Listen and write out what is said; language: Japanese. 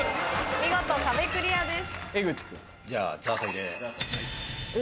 見事壁クリアです。